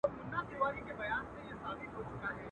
کله لس کله مو سل په یوه آن مري.